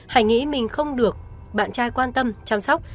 hãy nghĩ mình không được bạn trai quan tâm chăm sóc